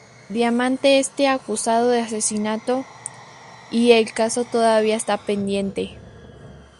Diamante está acusado de asesinato, y el caso todavía está pendiente.